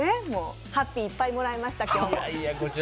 ハッピーいっぱいいただきました、今日も。